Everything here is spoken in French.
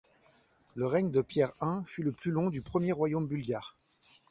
Le règne de Pierre I fut le plus long du premier royaume bulgare.